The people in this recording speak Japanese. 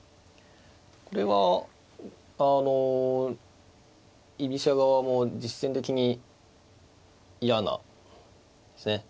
これはあの居飛車側も実戦的に嫌なですね